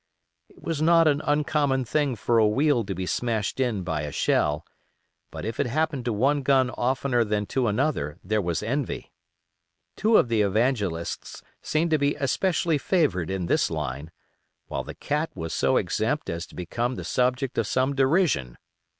It was not an uncommon thing for a wheel to be smashed in by a shell, but if it happened to one gun oftener than to another there was envy. Two of the Evangelists seemed to be especially favored in this line, while the Cat was so exempt as to become the subject of some derision.